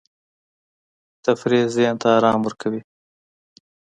تفریح ذهن ته آرام ورکوي.